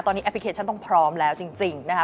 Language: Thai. ตอนนี้แอปพลิเคชันต้องพร้อมแล้วจริงนะคะ